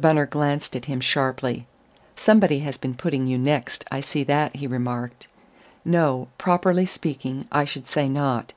Bunner glanced at him sharply. "Somebody has been putting you next, I see that," he remarked. "No: properly speaking, I should say not.